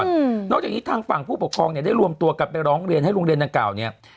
นอกจากอย่างงี้ทางฝั่งผู้ปกครองเนี่ยได้รวมตัวกลับไปร้องเรียนให้โรงเรียนทางเก่าเนี่ย